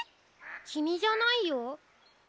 きみじゃないよ。